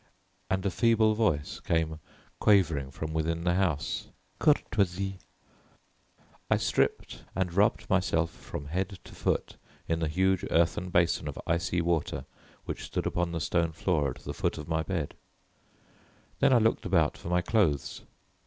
And a feeble voice came quavering from within the house, "Courtoisie." I stripped, and rubbed myself from head to foot in the huge earthen basin of icy water which stood upon the stone floor at the foot of my bed. Then I looked about for my clothes.